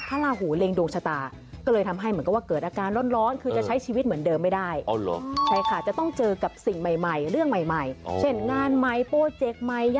การไหมโปรเจกไหมย่ายไปบ้านไหมเจออะไรใหม่